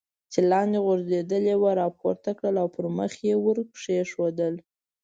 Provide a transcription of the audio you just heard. چې لاندې غورځېدلې وه را پورته کړل او پر مخ یې ور کېښودل.